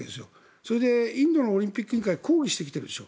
それで、インドのオリンピック委員会抗議してきているでしょ。